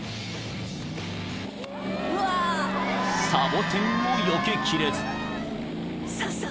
［サボテンをよけきれず］